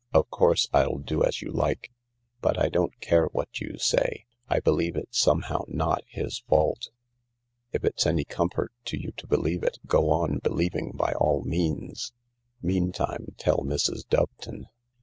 " Of course I'll do as you like. But I don't care what you say— I believe it's somehow not his fault." " If it's any comfort to you to believe it, go on believing by all means. Meantime tell Mrs. Doveton.